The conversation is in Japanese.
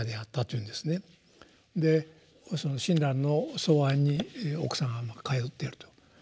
でその親鸞の草庵に奥さんは通ってると。